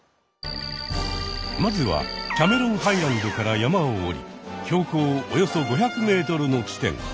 まずはキャメロンハイランドから山を下り標高およそ５００ｍの地点。